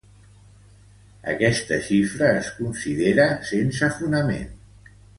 Aquesta xifra es considera sense fonament.